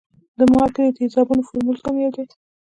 د مالګې د تیزابونو فورمول کوم دی؟